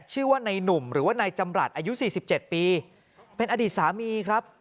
ชื่อว่าในหนุ่มหรือว่านายจำรัฐอายุ๔๗ปีเป็นอดีตสามีครับ